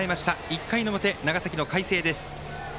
１回の表、長崎の海星です。